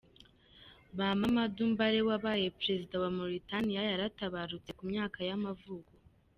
Ba Mamadou Mbaré wabaye perezida wa wa Mauritania yaratabarutse, ku myaka y’amavuko.